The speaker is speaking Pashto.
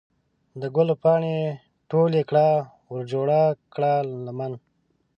د ګلو پاڼې ټولې کړه ورجوړه کړه لمن